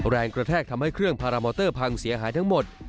แรงกระแทกทำให้เครื่องพารามอเตอร์พังเสียหายทั้งหมด